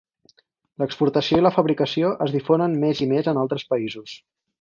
L'exportació i la fabricació es difonen més i més en altres països.